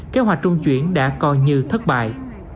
kế hoạch trung chuyển đã coi như thất bại